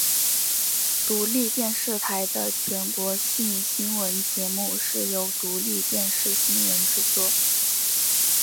独立电视台的全国性新闻节目是由独立电视新闻制作。